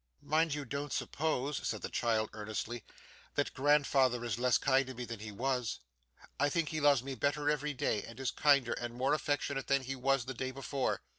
'Mind you don't suppose,' said the child earnestly, 'that grandfather is less kind to me than he was. I think he loves me better every day, and is kinder and more affectionate than he was the day before.